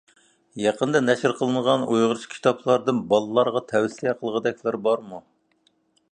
يېقىندا نەشر قىلىنغان ئۇيغۇرچە كىتابلاردىن بالىلارغا تەۋسىيە قىلغۇدەكلىرى بارمۇ؟